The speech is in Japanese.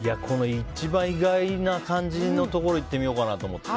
一番意外な感じのところいってみようかなと思って。